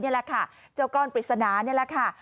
นี่แหละค่ะเจ้าก้อนปริศนานี่แหละค่ะ